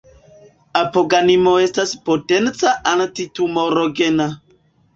Apigenino estas potenca antitumorogena.